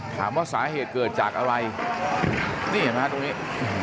ถามว่าสาเหตุเกิดจากอะไรนี่เห็นไหมฮะตรงนี้